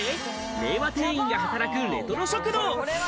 令和店員が働くレトロ食堂。